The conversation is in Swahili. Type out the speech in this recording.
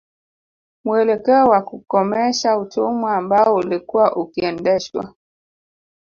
Muelekeo wa kukomesha utumwa ambao ulikuwa ukiendeshwa